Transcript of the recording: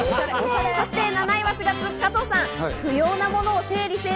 ７位は４月生まれ、加藤さん。